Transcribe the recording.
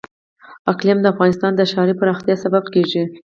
اقلیم د افغانستان د ښاري پراختیا سبب کېږي.